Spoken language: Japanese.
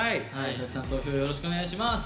たくさん投票よろしくお願いします。